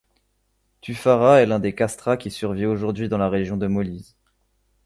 Tufara est l'un des castra qui survit aujourd'hui dans la région de Molise.